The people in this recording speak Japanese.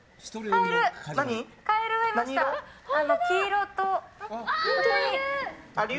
黄色と。